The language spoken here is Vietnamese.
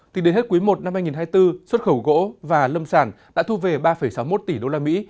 thì đến hết cuối một năm hai nghìn hai mươi bốn xuất khẩu gỗ và lâm sản đã thu về ba sáu mươi một tỷ usd